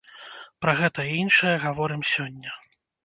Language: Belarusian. Пра гэта і іншае гаворым сёння.